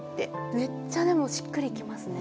めっちゃでもしっくり来ますね。